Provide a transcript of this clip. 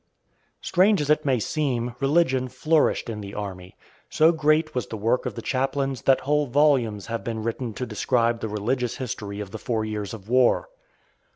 Strange as it may seem, religion flourished in the army. So great was the work of the chaplains that whole volumes have been written to describe the religious history of the four years of war.